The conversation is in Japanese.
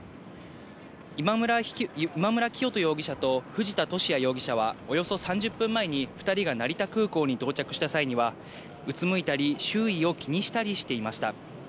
今村磨人容疑者と藤田聖也容疑者は、およそ３０分前に２人が成田空港に到着した際には、うつむいたり、周囲を気にしたりしていました。